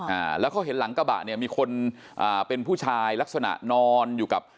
อ่าแล้วเขาเห็นหลังกระบะเนี่ยมีคนอ่าเป็นผู้ชายลักษณะนอนอยู่กับ